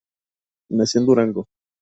Nació en Durango.